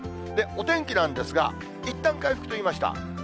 お天気なんですが、いったん回復しました。